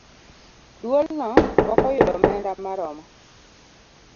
Duolno pok oyudo omenda maromo